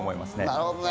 なるほどね。